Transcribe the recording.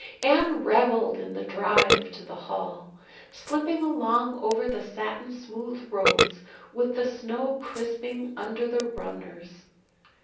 Anne reveled in the drive to the hall, slipping along over the satin smooth roads with the snow crisping under the runners.